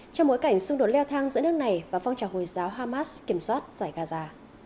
trong bối cảnh xung đột leo thang giữa nước này và phong trào hồi giáo hamas kiểm soát giải gaza